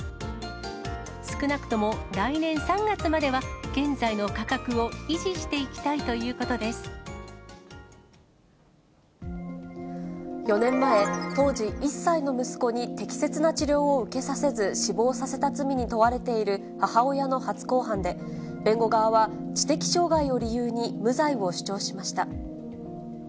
少なくとも来年３月までは、現在の価格を維持していきたいと４年前、当時１歳の息子に適切な治療を受けさせず、死亡させた罪に問われている母親の初公判で、、弁護側は知的障害を理由に、無罪を主張しました。